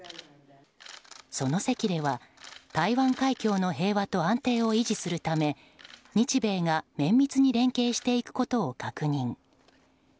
その席では台湾海峡の平和と安定を維持するため日米が綿密に連携していくことを確認。